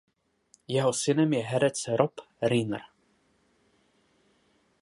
Jeho synem je herec Rob Reiner.